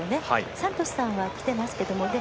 サントスさんは来てますけども。